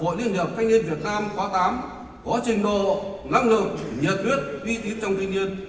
hội liên hiệp thanh niên việt nam khóa tám có trình độ năng lực nhiệt huyết uy tín trong thanh niên